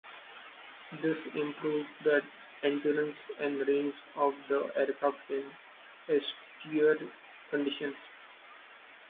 This improves the endurance and range of the aircraft in austere conditions.